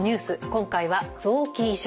今回は臓器移植。